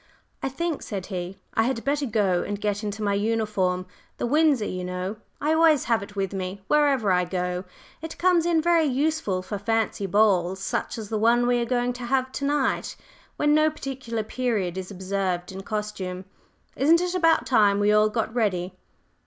"I think," said he, "I had better go and get into my uniform the Windsor, you know! I always have it with me wherever I go; it comes in very useful for fancy balls such as the one we are going to have to night, when no particular period is observed in costume. Isn't it about time we all got ready?"